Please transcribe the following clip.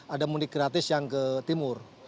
ada mudik gratis yang ke timur